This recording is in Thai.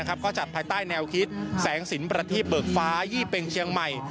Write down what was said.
ก็จัดภายใต้แนวคิดแสงสินประทีปเบิกฟ้ายี่เป็งเชียงใหม่